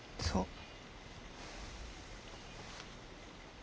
そう。